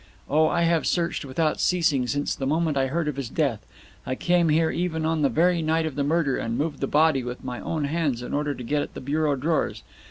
Oh, I have searched without ceasing since the moment I heard of his death! I came here even on the very night of the murder, and moved the body with my own hands in order to get at the bureau drawers.